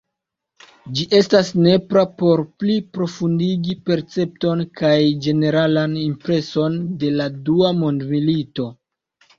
Ĝi estas nepra por pli profundigi percepton kaj ĝeneralan impreson de la dua mondmilito.